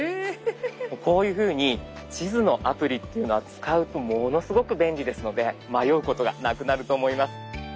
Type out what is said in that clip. こういうふうに地図のアプリっていうのは使うとものすごく便利ですので迷うことがなくなると思います。